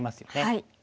はい。